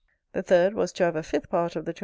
The third was to have a fifth part of the 20s.